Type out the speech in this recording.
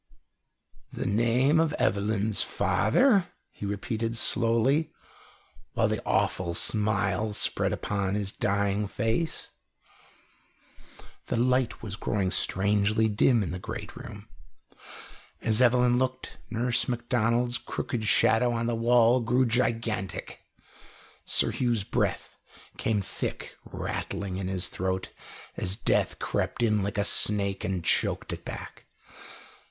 "The name of Evelyn's father?" he repeated slowly, while the awful smile spread upon his dying face. The light was growing strangely dim in the great room. As Evelyn looked, Nurse Macdonald's crooked shadow on the wall grew gigantic. Sir Hugh's breath came thick, rattling in his throat, as death crept in like a snake and choked it back.